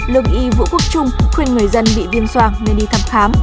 lực y vũ quốc trung khuyên người dân bị viêm soan nên đi thăm khám